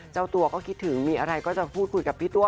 เจ้าตัวก็คิดถึงมีอะไรก็จะพูดคุยกับพี่ตัว